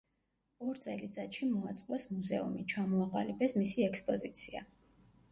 ორ წელიწადში მოაწყვეს მუზეუმი, ჩამოაყალიბეს მისი ექსპოზიცია.